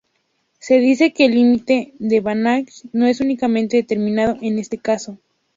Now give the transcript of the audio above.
Se dice que el límite de Banach no es únicamente determinado en este caso.